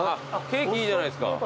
ケーキいいじゃないですか。